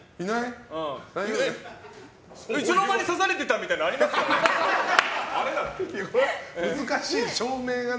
いつの間に刺されてたみたいなのも難しい、証明が。